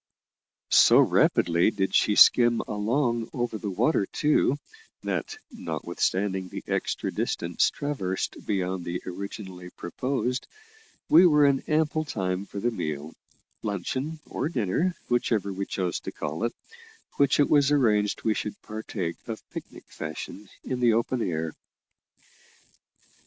So rapidly did she skim along over the water too, that, notwithstanding the extra distance traversed beyond that originally proposed, we were in ample time for the meal luncheon or dinner, whichever we chose to call it which it was arranged we should partake of picnic fashion in the open air.